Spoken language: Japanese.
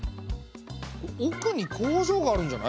おくに工場があるんじゃない？